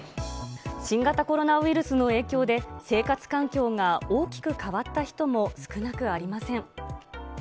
新型コロナウイルスの影響で、生活環境が大きく変わった人も少なくありません。